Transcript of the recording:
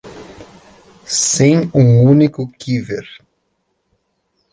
Sem um único quiver.